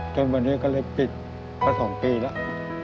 จนวันนี้ก็เลยปิดมา๒ปีแล้ว